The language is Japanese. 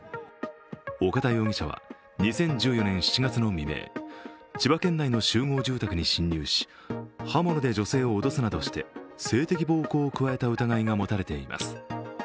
岡田容疑者は２０１４年７月の未明千葉県内の集合住宅に侵入し刃物で女性を脅すなどして性的暴行を加えた疑いが持たれています。